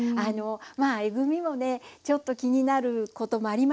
まあえぐみもねちょっと気になることもあります。